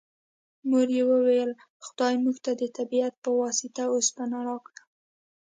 مور یې وویل خدای موږ ته د طبیعت په واسطه اوسپنه راکړه